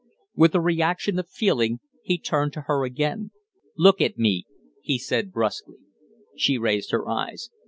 With a reaction of feeling he turned to her again. "Look at me!" he said, brusquely. She raised her eyes.